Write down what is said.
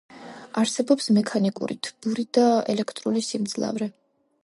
არსებობს მექანიკური, თბური და ელექტრული სიმძლავრე.